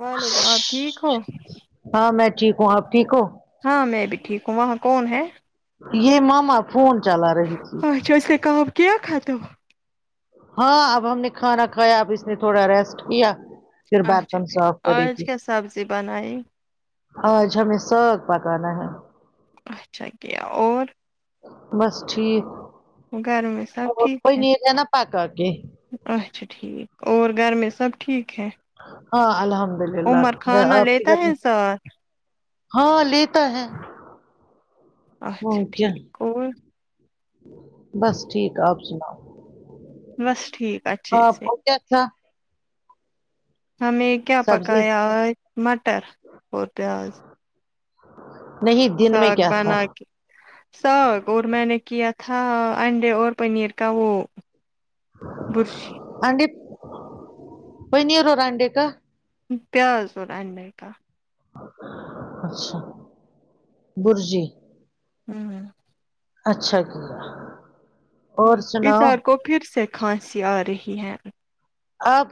وعلیکم آپ ٹھیک ہو ہاں میں ٹھیک ہوں آپ ٹھیک ہو ہاں میں بھی ٹھیک ہوں وہاں کون ہے یہ ماما فون چلا رہی تھی اچھا ا س سے کب کھاتے ہو ہاں اب ہم نے کھانا کھایا اب اس نے تھوڑا ریسٹ کیا پھر برتن اچھاٹھیک صاف اور کرے اج گی کی سبزی بنائیے آج ہمیں سگ پکانا ہے اچھا کیا اور بس ٹھیک گھر میں سب کوئی ٹھیک ہے ن جانا پک آ کے اچھا ٹھیک اور گھر میں سب ٹھیک ہے ہے ہاں الحمد للہ ا ا فک لیتا ہے ساتھ ہاں لیتا ہے اچھا اور کیا ٹھیک اور بس ٹھیک ہے آپ سناؤ بس ٹھیک اچھے سےے ا اچھا ہمیں کیا سبزی پکایا ہے مٹر اور پیاز نہیں دن میں ساگ کیا بان تھا آ ساگ اور میں نے کیا تھا انڈے اور پنیر کا وہ برشی آڈے پنیر اور آنڈے کا پیاز اور انڈے کا اچھا برجی ہوں ہ اچھا کیا ہ اور سناؤ اظہار کو پھر سے کھانسی آ رہی ہے آب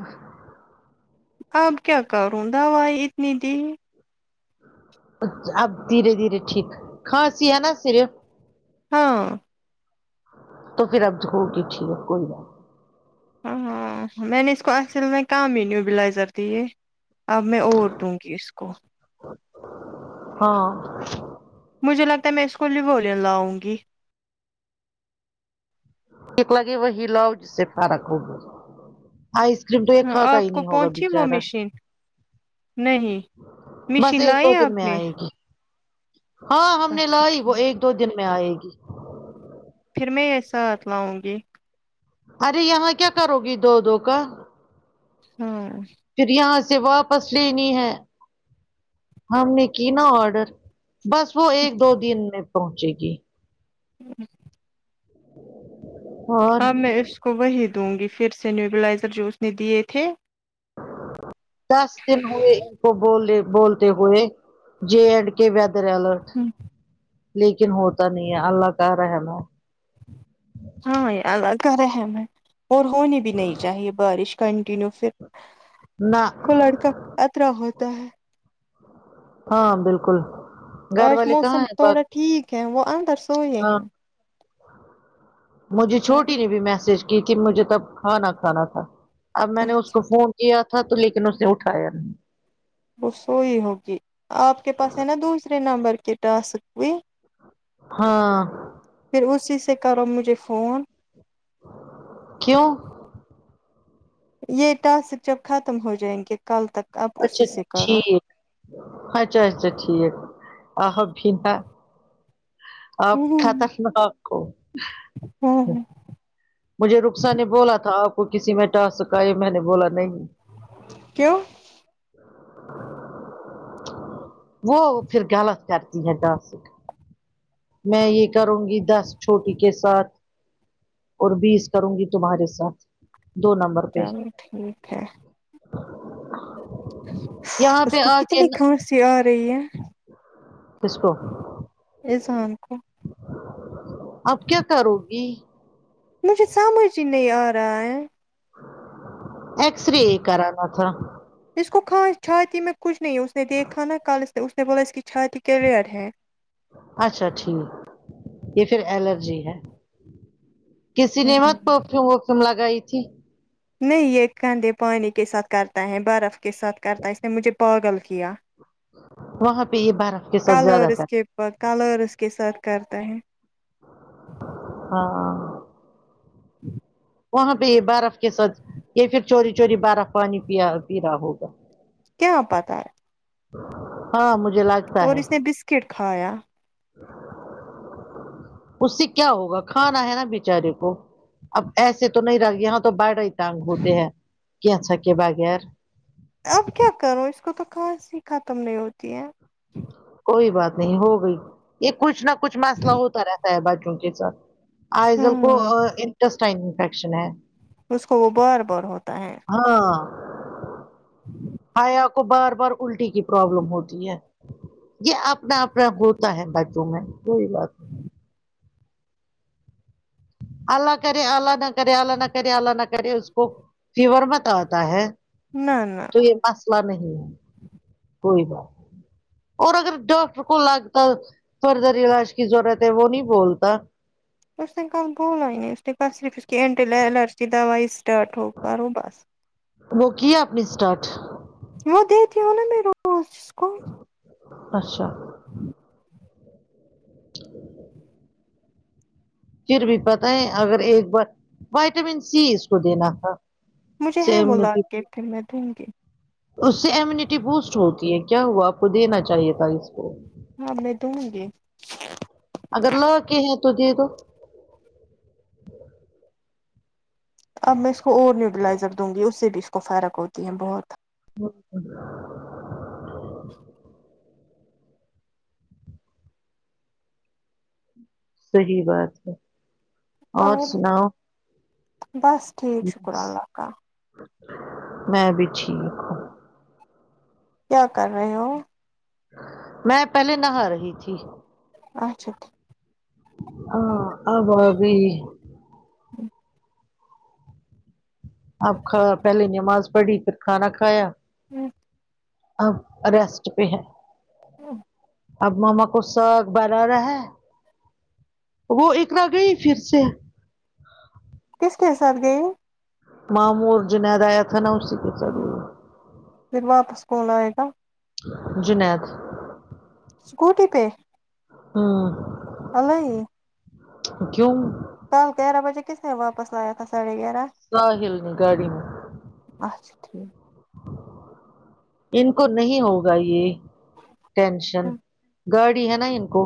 اب کیا کروں دوائی اتنی دی اب دھیرے دھیرے ٹھیک کھنسی ہے نا صرف ہاں تو پھر ابد ہوگی ٹھیک کوئی بات نہی ہاں میں نے اس کو اصل میں کہم ہی نیوبلائزر دی ہے اب میں اور دوں گی اس کو ہاں مجھے لگتا ہے میں اسکول لی بول لاؤں گی ٹھیک لگے وہی لاؤ جس سے فرق ہوگا آئس کریم تو یہ ہاں کھاتا ہی آپ کو نہیں ہوگا پہنچی وہ بچارا مشین نہیں بس مشین ایک دو لائی دن آپ میں نے آئے گی ہاں ہم نے اچھا لائی وہ ٹھیک ایک دو دن میں آئے گی پھر میں یہ ساتھ لاؤں گی ارے یہاں کیا کرو گی دو دو کا ہاں پھر یہاں سے واپس لینی ہے ہم نے کی نا آڈر بس وہ ایک دو دن میں پہنچے گی ہوں اور اب میں اس کو وہی دوں گی پھر سے نیوبلائزر جو اس نے دیے تھے دس دن ہوئے ان کو بولے بولتے ہوئے جے اینڈ کے ودرل ہوں لیکن ہوتا نہیں ہے اللہ کا رحم ہے ہاں یہ اللہ کا رحم ہے اور ہونی بھی نہیں چاہیے بارش کنٹینیو پھر نہ وہ لڑکا اطرا ہوتا ہے ہاں بالکل گھر آج والے کہاں موسم ہیں پاک تھوڑا ٹھیک ہے وہ اندر سوئے ہاں ہیںیں مجھے چھوٹی نے بھی میسج کی کہ مجھے تب کھانا کھانا تھا اب میں نے اس کو اچھا فون کیا تھا تو لیکن اس نے اٹھایا نہیں وہ سوئی ہوگی آپ کے پاس ہے نا دوسرے نمبر کے ٹاسک بھیئی ہاں پھر اسی سے کرو مجھے فون کیوں یہ ٹاسک جب ختم ہو جائیں گے کل تک اپ اسی اچھا سے کرو ٹھیک اچھا اچھا ٹھیک آپ بھی نہ آپ ہوں ٹھیک نہ آپ کو مجھے رخسا نے بولا تھا آپ کو کسی میں ٹاسک ہے میں نے بولا نہیں کیو وہ پھر غلط کرتی ہے ٹاسک میں یہ کروں گی دس چھوٹی کے ساتھ اور بیس کروں گی تمہارے ساتھ دو نمبر پہ چلو ٹھیک ہے [unintelligible] یہاں اس پہ کو آ کے کتنی کھانسی آ رہی ہے کس کو اذہان کو اب کیا کرو گی مجھے سمجھ ہی نہیں آرہا ہے ایکس رے کرانا تھا اس کو کھان چھاتی میں کچھ نہیں ہے اس نے دیکھا نا کل اس نے اس نے بولا اس کی چھاتی کلیئر ہے اچھا ٹھیک یہ پھر الرجی ہے کسی نے ہوں بت پرفیوم ورفیوم لگائی تھی نہیں یہ کندھے پانی کے ساتھ کرتا ہے برف کے ساتھ کرتا ہے اس نے مجھے پاگل کیا وہاں پہ یہ بارک کے ساتھ زیادہ ت کالر اس کے ساتھ کرتا ہے ہاں [inaudible] وہاں پے یے برف کے ساتھ یے پھر چوری چوری برف پانی پیا پی رہا ہوگا کیا پتا ہے ہاں مجھے لگ اور اس نے بسکٹ کھایا اس سے کیا ہوگا کھانا ہے نا بچارے کو اب ایسے تو نہیں ر یہاں تو بڑ ہی تانگ ہوتے ہیں کیچا کے بغیر اب کیا کروں اس کو تو خاص ہی ختم نہیں ہوتی ہے کوئی بات نہیں ہو گئی یہ کچھ نہ کچھ مسئلہ ہوتا رہتا ہے بچوں کے ساتھ آئزل کو ہوں انٹسٹائن انفیکشن ہے اس کو وہ بار بار ہوتا ہے ہاں ہیا کو بار بار الٹی کی پرابلم ہوتی ہے یے اپنا اپنا ہوتا ہے بچوں میں کوئی بات نہیں اللہ کرے اللہ نہ کرے اللہ نہ کرے اللہ نہ کرے اس کو فیور مت آتا ہے نہ نہ پھر مسلا نہیں ہے کوئی بات نہیں اور اگر ڈاکٹر کو لگتا فردر علاج کی ضرورت ہے وہ نہیں بولتا اس نے کل بولا ہی نہیں اس نے کہا صرف اس کی اینٹی الرجی دوائی اسٹارٹ ہو کروں بس وہ کی اپنے اسٹارٹ وہ دیتی ہو نا میرا اس کو اچھا پھر بھی پتہ ہے اگر ایک بار وائٹامن سی اس کو دینا تھا مجھے ہے سییم وہ لا ریپیٹ کے پھر میں دوں گی اس سے امیونٹی بوسٹ ہوتی ہے کیا ہوا آپ کو دینا چاہیے تھا اس کو ہاں میں دوں گی اگر لاکے ہے تو دے دو اب میں اس کو اور نیوٹلائزر دوں گی اس سے بھی اس کو فرق ہوتی ہے بہت [inaudible] [unintelligible] صحیح بات ہے اور بس ٹھیک شکر اللہ کا میں بھی ٹھیک ہوں کیا کر رہے ہو میں پہلے نہا رہی تھی اچھا ٹھیک ہاں اب ابھی اب کھا پہلے نماز پڑھی پھر کھانا کھایا امم اب ریسٹ پے ہے امم اب ماما کو ساگ بر رہا ہے وہ اقرا گئی پھر سے کس کے ساتھ گںی ہے مامو اور جنیدآیا تھا نا اسی کےساتھ گںی ہے پھر واپس کون لائے گا جنید اسکوٹی پہ امم اللائی کیوں کل گیارہ بجے کس نے واپس لایا تھا ساڑھے گیارہ ساحل نے گاڑی میں اچھا ٹھیک ان کو نہیں ہوگا یے ٹینشن گاڑی ہے نہ ان کو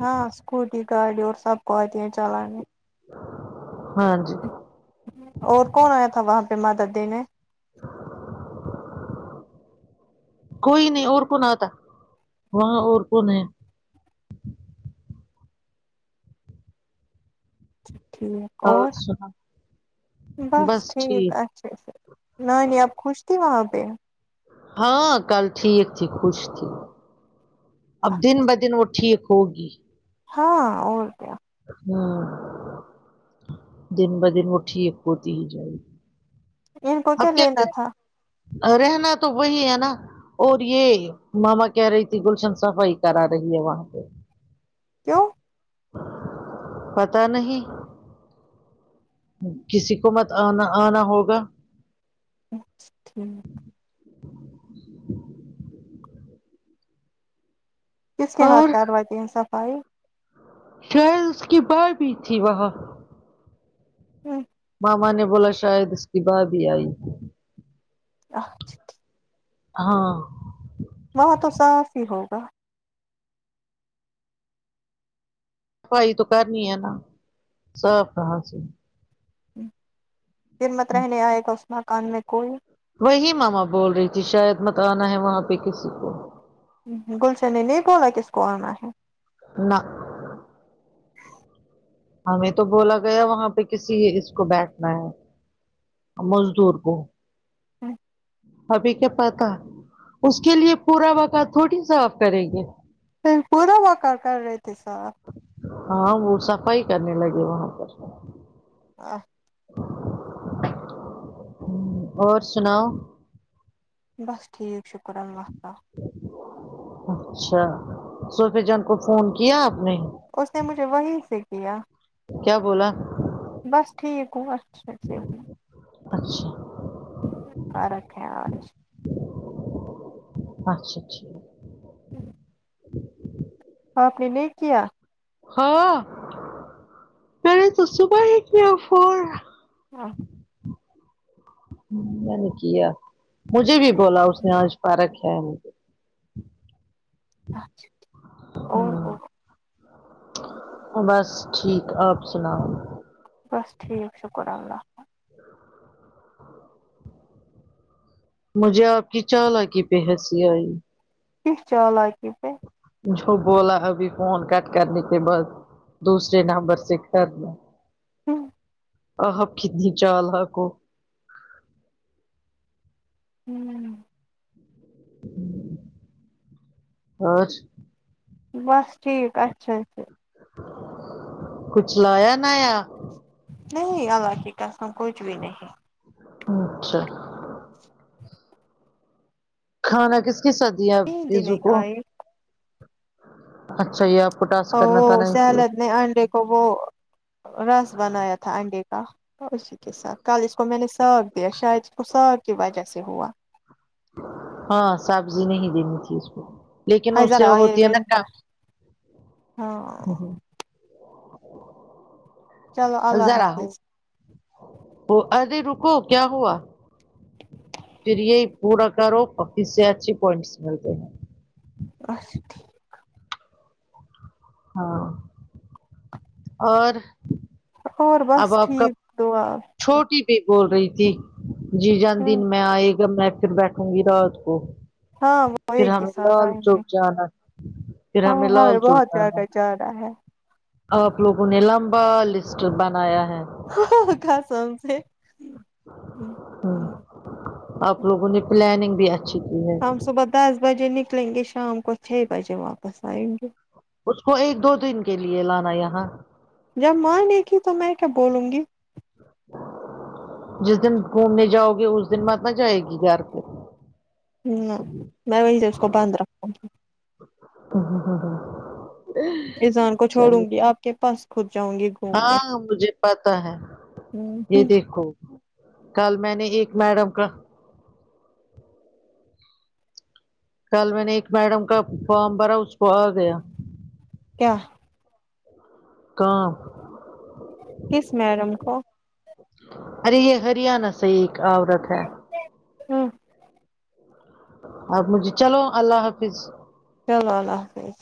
ہاں اسکوٹی گاڑی اور سب کو آتی ہیں چلانے ہاں جی اور کون آیا تھا وہاں پے مدد دینے کوئی نہیں اور کون آتا وہاں اور کون ہے اچھا ٹھیک اور بس ٹھیک اچھا نہنیہ خوش تھی وہاں پہ ہاں کل ٹھیک تھی خوش تھی اب دن بہ دن وہ ٹھیک ہوگی ہاں اور ہوں دن بہ دن وہ ٹھیک ہوتی ہی جارہی ان کو اب کیا لینا تھا کیا رہنا تو وہی ہے نا اور یہ ماما کہہ رہی تھی گلشن صفائی کرا رہی ہے وہاں پہ کیوں پتہ نہیں کسی کو مت آنا آنا ہوگا اچا ٹھیک کس کی حات اور کرواتے ہےصفائیی شاید اس کی ماں بھی تھی وہاں امم ماما نے بولا شاید اس کی بات ہی آئی اچھا ہاں وہاں تو صاف ہی ہوگا صفائی تو کرنی ہے نا صاف کہا سے پھرمت رہنے آئے گا اس مکان میں کوئی وہی ماما بول رہی تھی شاید مت آنا ہے وہاں پہ کسی کو گلشن نے نہیں بولا کس کو آنا ہے نہ ہمیں تو بولا گیا وہاں پہ کسی اس کو بیٹھنا ہے مزدور کو ہوں ابھی کیا پا اس کے لیے پورا وقع تھوڑی صاف کریں گے پ پورا وہا کا کر رہی تھی سر ہاں وہ صفائی کرنے لگے وہاں پر ا اور سناؤ بس ٹھیک شکر اللہ تعالی اچھا سوفی جان کو فون کیا آپ نے اس نے مجھے وہیں سے کیا کیا بولا بس ٹھیک وہ اچھایف اچھا ہ فارا ہےج اچھا اچھا جی آپ نے نہیں کیا ہاں میں نے تو صبح ہی کیا فون ہاں میں نے کیا مجھے بھی بولا اس نے آج پا رکھ ہے ہے اچھا ہ بس ٹھیک آپ سناؤ بس ٹھیک شکر اللہ ہ مجھے آپ کی چال کی پہ ہنسی آئی چالان پ جو بولا ابھی فون کٹ کرنے کے بعد دوسرے نمبر سے کر ل ہوں آحب کتنی چال ح کو ہوں ہاں بس ٹھیک اچھا اچھا کچھ لایا نہ آیا نہیں اللہ کی قسم کچھ بھی نہیں اچھا کھانا کس ک س دیاپ نیند ہی زو نہیں کو آئی اچھا یہ آپ کو ا ٹاسک کرنا وہ تھا نا اس لیے سہلد نے انڈے کو وہ رس بنایا تھا انڈے کا اسی کے ساتھ کل اس کو میں نے شاید اس کی وجہ سے ہوا ہاں سبزی نہیں دینی تھی اس کو لیکن ہے اس سے ذرا وہ یہ ہوتی ہے نا کام ونٹر ہاں چلو ہ اللہ جرا ہو حافظ وہ ارے رکو کیا ہوا پھر یہ پورا کرو پی سے اچھے پوائنٹس ملتے ہیں اس ہاں اور اور بس اب آپ کا ٹھیک دعا چھوٹی بی بول رہی تھی جی جان دن میں آئ تو میں پھر بیٹھوں گی رات کو ہاں وہ پھر ایک ہی ہمیں ساتھ لال آئیں گے چوک جانا پھر ہمیں لال چوک جانا جا نا ہے آپ لوگوں نے لمبا لسٹ بنایا ہے قسم سے ہوں آپ لوگوں نے پلاننگ بھی اچھی کی ہے ہم صبح دس بجے نکلیں گے شام کو چھ بجے واپس آئیں گے اس کو ایک دو دن کے لیے لانا یہاں جب ماں نہیں کی تو میں کیا بولوں گی جس دن گھومنے جاؤ گے اس دن مت نہ جائے گی گھر کو نہ میں وہیں سے اس کو بند رکھوں گی اوں ہوں ہوں ہوں اذان کو چھوڑوں گی آپ کے پاس خود جاؤں گی گھومنے ہاں مجھے پتا ہے یہ دیکھو کل میں نے ایک میڈم کا کل میں نے ایک میڈم کا فارم بھرا اس کو آ گیا کیا کام کس میڈم کو ارے یہ ہریانہ سے ہی ایک عورت ہے ہوں آپ مجھے چلو اللہ حافظ چلو اللہ حافظ